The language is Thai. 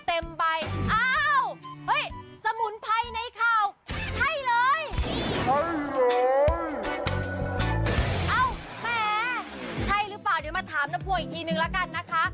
เอ้าแม่ใช่หรือเปล่าเดี๋ยวมาถามนับพ่วงอีกทีหนึ่งแล้วกันนะคะ